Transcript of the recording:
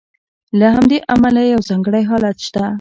له همدې امله یو ځانګړی حالت شته.